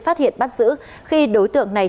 phát hiện bắt giữ khi đối tượng này